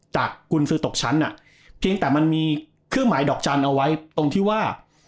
กุญสือตกชั้นอ่ะเพียงแต่มันมีเครื่องหมายดอกจันทร์เอาไว้ตรงที่ว่า